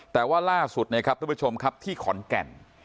แต่ว่าล่าสุดนะครับทุกผู้ชมครับที่ขอนแก่น